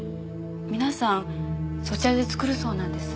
皆さんそちらで作るそうなんです。